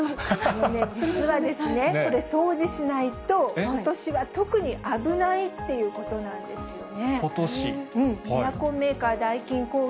実はですね、これ、掃除しないとことしは特に危ないってことなんですよね。